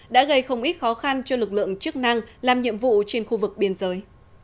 đã gây không ít khó khăn cho lực lượng chức năng làm nhiệm vụ trên khu vực biên giới